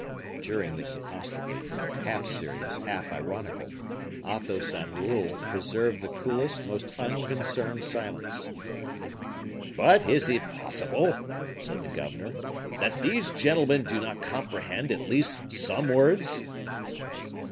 During this apostrophe half serious, half ironical Athos and Raoul preserved the coolest, most unconcerned silence. "But, is it possible," said the governor, "that these gentlemen do not comprehend at least some words?"